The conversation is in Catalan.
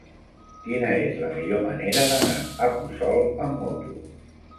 Quina és la millor manera d'anar a Puçol amb moto?